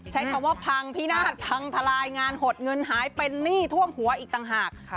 ใช้คำว่าพังพินาศพังทลายงานหดเงินหายเป็นหนี้ท่วมหัวอีกต่างหาก